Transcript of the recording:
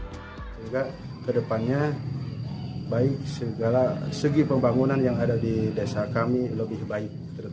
sehingga ke depannya baik segi pembangunan yang ada di desa kami lebih baik